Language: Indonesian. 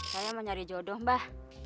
saya mau nyari jodoh mbak